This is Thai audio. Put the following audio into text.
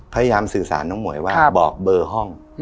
พยายามสื่อสารน้องหมวยว่าบอกเบอร์ห้อง